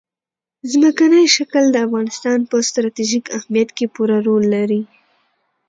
ځمکنی شکل د افغانستان په ستراتیژیک اهمیت کې پوره رول لري.